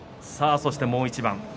そしてもう一番です。